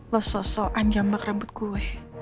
lo sosokan jambak rambut gue